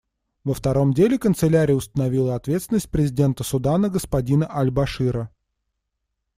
Во втором деле Канцелярия установила ответственность президента Судана господина аль-Башира.